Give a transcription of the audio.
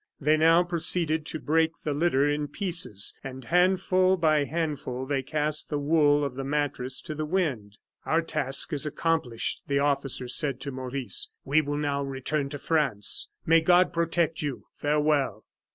They now proceeded to break the litter in pieces; and handful by handful they cast the wool of the mattress to the wind. "Our task is accomplished," the officer said to Maurice. "We will now return to France. May God protect you! Farewell!"